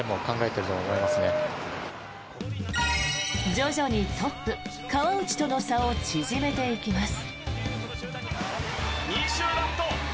徐々にトップ、川内との差を縮めていきます。